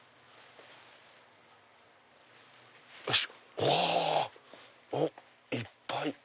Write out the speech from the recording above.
おっいっぱい。